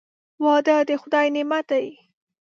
• واده د خدای نعمت دی.